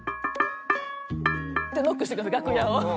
ノックしてくるんです楽屋を。